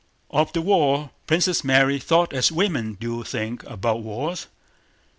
Of the war Princess Mary thought as women do think about wars.